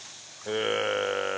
へえ！